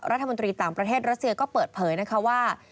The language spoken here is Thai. รัฐมนตรีต่างประเทศรัสเซียก็เปิดเผยนะคะว่า